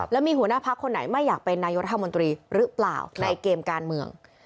แล้วมีหัวหน้าพักคนไหนไม่อยากเป็นนายกรัฐมนตรีหรือเปล่าในเกมการเมือง